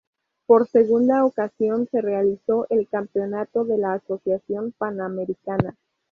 Por segunda ocasión se realizó el campeonato de la Asociación Panamericana.